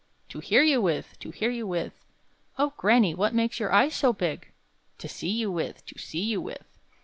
"To hear you with! to hear you with!" "Oh, granny! what make your eyes so big?" "To see you with! to see you with!"